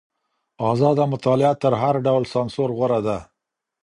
ازاده مطالعه تر هر ډول سانسور غوره ده.